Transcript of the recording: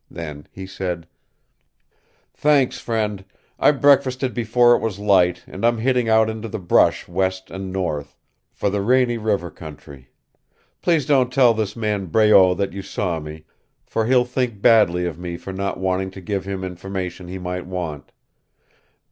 Then he said: "Thanks, friend. I breakfasted before it was light and I'm hitting out into the brush west and north, for the Rainy River country. Please don't tell this man Breault that you saw me, for he'll think badly of me for not waiting to give him information he might want.